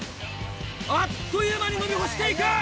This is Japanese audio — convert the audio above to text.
あっという間に飲み干していく！